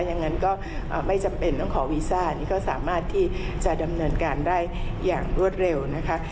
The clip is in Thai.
อย่างนั้นก็ไม่จำเป็นต้องขอวีซ่านี่ก็สามารถที่จะดำเนินการได้อย่างรวดเร็วนะคะ